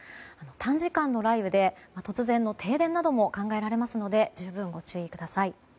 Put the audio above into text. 短時間の雷雨で突然の停電なども考えられますので十分ご注意ください。